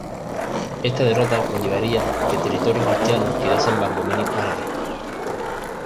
Esta derrota conllevaría que territorios cristianos quedasen bajo el dominio árabe.